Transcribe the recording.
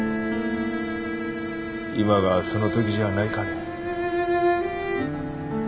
今がそのときじゃないかね。